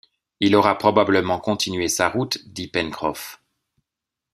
Il aura probablement continué sa route, dit Pencroff.